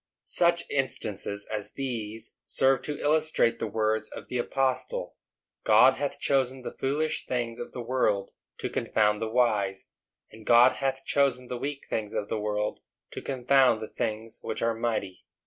Such instances as these serve to illustrate the words of the apostle, "God hath chosen the foolish things of the world to confound the wise; and God hath chosen the weak things of the world to confound the things which are mighty."